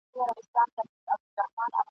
هره ورځ به یې تازه وه مجلسونه !.